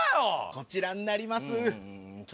こちらになります。